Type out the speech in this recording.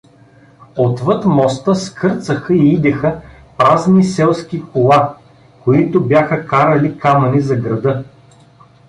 Отвъд моста скърцаха и идеха празни селски кола, които бяха карали камъни за града.